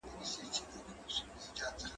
دا فکر له هغه مهم دی،